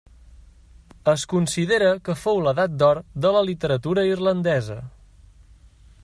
Es considera que fou l'edat d'or de la literatura irlandesa.